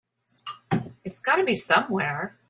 It's got to be somewhere.